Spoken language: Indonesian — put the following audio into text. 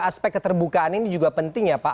aspek keterbukaan ini juga penting ya pak